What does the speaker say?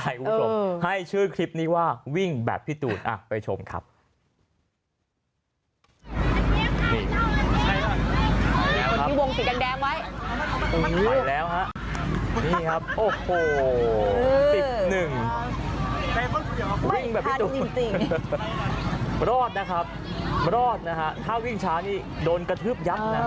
ให้ชื่อคลิปนี้ว่าวิ่งแบบพี่ตูนไปชมครับ